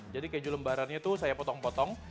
jadi keju lembarannya tuh saya potong potong